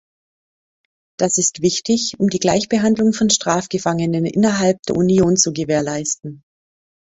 Das ist wichtig, um die Gleichbehandlung von Strafgefangenen innerhalb der Union zu gewährleisten.